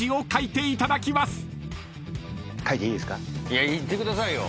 いってくださいよ！